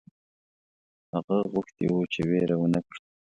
هغه غوښتي وه چې وېره ونه کړي.